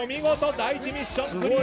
第１ミッションクリア！